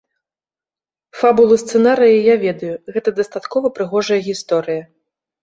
Фабулу сцэнарыя я ведаю, гэта дастаткова прыгожая гісторыя.